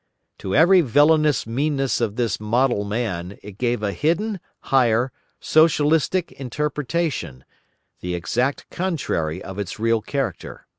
To every villainous meanness of this model man it gave a hidden, higher, Socialistic interpretation, the exact contrary of its real character.